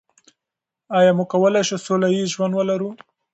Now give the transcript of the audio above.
آیا موږ کولای شو سوله ییز ژوند ولرو؟